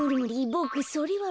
ボクそれはむり。